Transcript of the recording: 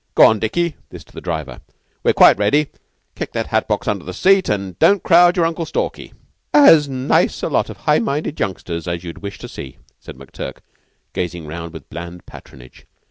Go on, Dickie" (this to the driver); "we're quite ready. Kick that hat box under the seat, an' don't crowd your Uncle Stalky." "As nice a lot of high minded youngsters as you'd wish to see," said McTurk, gazing round with bland patronage.